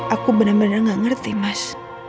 aku benar benar nggak ngerti mas